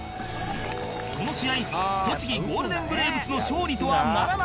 この試合栃木ゴールデンブレーブスの勝利とはならなかった